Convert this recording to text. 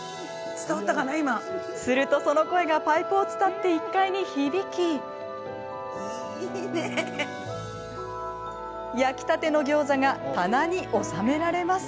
するとその声がパイプを伝って１階に響き焼きたてのギョーザが棚に収められます。